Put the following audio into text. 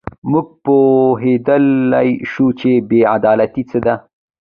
موږ پوهېدلای شو چې بې عدالتي څه ده.